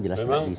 jelas tidak bisa